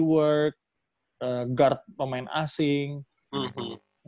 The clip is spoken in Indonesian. work guard pemain asing kayak gitu gitu jadi gua